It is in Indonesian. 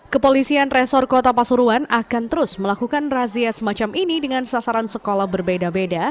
kepolisian resor kota pasuruan akan terus melakukan razia semacam ini dengan sasaran sekolah berbeda beda